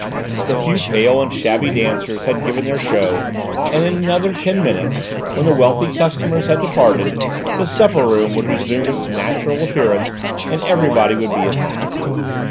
The few pale and shabby dancers had given their show, and in another ten minutes, when the wealthy customers had departed, the supper room would resume its natural appearance and everybody would be at home.